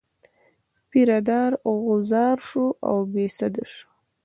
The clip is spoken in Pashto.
پیره دار غوځار شو او بې سده شو.